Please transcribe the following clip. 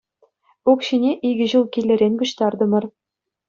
Укҫине икӗ ҫул килӗрен пуҫтартӑмӑр.